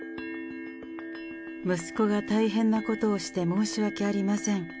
息子が大変なことをして申し訳ありません。